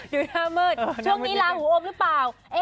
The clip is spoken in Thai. ดูหน้ามืดช่วงนี้ลาหูอมหรือเปล่า